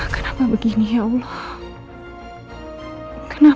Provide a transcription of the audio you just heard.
kenapa begini ya allah